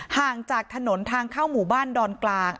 ห่างจากถนนทางเข้าหมู่บ้านดอนกลาง